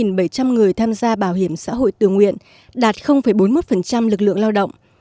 người tham gia bảo hiểm xã hội tự nguyện đạt bốn mươi một lực lượng lao động